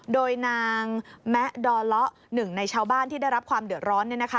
โดยนางแมะดอเลาะหนึ่งในชาวบ้านที่ได้รับความเดือดร้อน